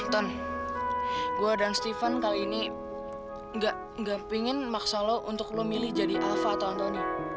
ton gue dan steven kali ini nggak pingin maksa lo untuk lo milih jadi alva atau anthony